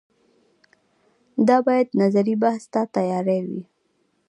دا باید نظري بحث ته تیارې وي